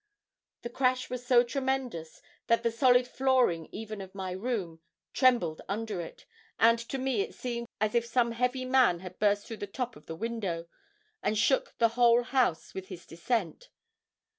The crash was so tremendous that the solid flooring even of my room trembled under it, and to me it seemed as if some heavy man had burst through the top of the window, and shook the whole house with his descent.